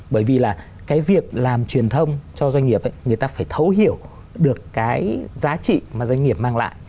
bởi vì là cái việc làm truyền thông cho doanh nghiệp người ta phải thấu hiểu được cái giá trị mà doanh nghiệp mang lại